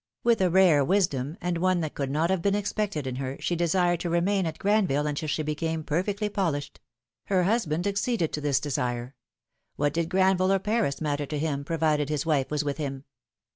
With a rare wisdom, and one that could not have been expected in her, she desired to remain at Granville until she became perfectly pol ished; her husband acceded to this desire; what did Granville or Paris matter to him, provided his wife was with him?